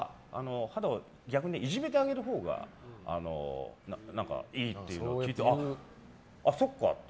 肌を逆にいじめてあげるほうがいいというのを聞いてそっかと思って。